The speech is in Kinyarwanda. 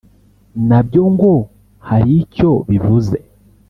nabyo ngo hari icyo bivuze